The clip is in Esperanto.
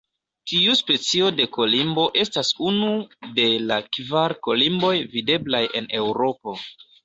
Tiu specio de kolimbo estas unu de la kvar kolimboj videblaj en Eŭropo.